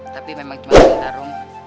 tapi memang cuma minta rum